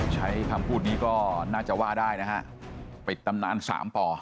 ใช้คำพูดนี้ก็น่าจะว่าได้นะฮะปิดตำนานสามป่อ